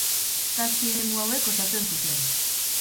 Zazpi eremu hauek osatzen zuten.